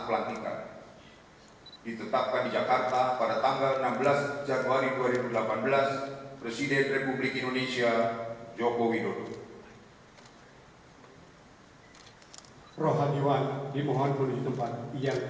lalu kebangsaan indonesia baik